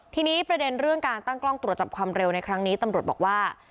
ทีนี้ประเด็นเรื่องการตั้งกล้องตรวจจับความเร็วในครั้งนี้ตำรวจบอกว่า